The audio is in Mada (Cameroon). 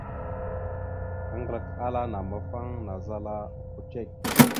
Aŋglak ala nàambafaŋ naazala okko cek.